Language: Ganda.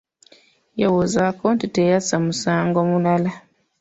Yewozaako nti teyazza musango mulala.